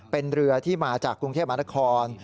เป็นเรือที่มาจากกรุงเทพมหานคร